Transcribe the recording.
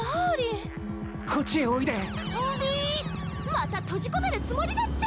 また閉じ込めるつもりだっちゃ。